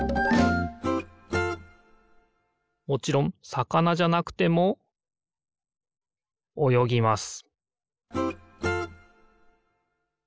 もちろんさかなじゃなくてもおよぎます